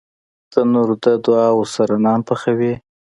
تنور د دعاوو سره نان پخوي